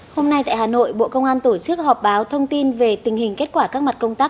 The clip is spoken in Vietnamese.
hôm nay tại hà nội bộ công an tổ chức họp báo thông tin về tình hình kết quả các mặt công tác